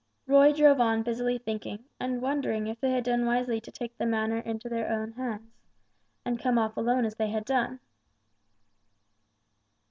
Roy drove on busily thinking, and wondering if they had done wisely to take the matter into their own hands, and come off alone as they had done.